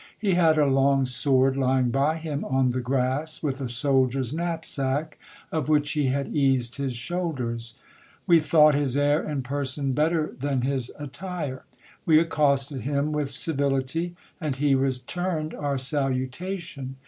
He had a long sword lying by him on the grass, with a soldier's knapsack, of which he had eased his shoulders. We thought his air and person better than his attire. We accosted him with civility ; and he returned our salutation.